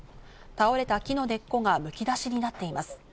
倒れた木の根っこがむき出しになっています。